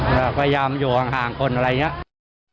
ก็พยายามอยู่ห่างคนอะไรอย่างนี้